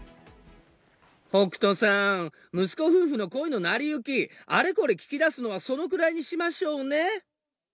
北斗さん、息子夫婦の恋の成り行き、あれこれ聞き出すのはそのくらいにしましょうね。